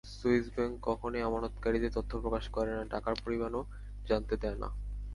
Swiss bank কখনোই আমানতকারীদের তথ্য প্রকাশ করে না, টাকার পরিমাণও জানতে দেয় না।